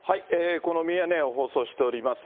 このミヤネ屋を放送しております